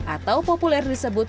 atau populer disebut